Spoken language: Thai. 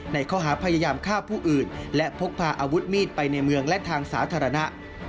ในข้อหาพยายามฆ่าผู้อื่นและพกพาอาวุธมีดไปในเมืองและทางสาธารณะ